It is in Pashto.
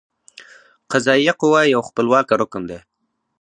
قضائیه قوه یو خپلواکه رکن دی.